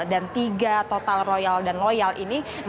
tiga total royal dan loyal ini